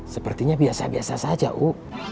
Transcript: sepertinya biasa biasa saja u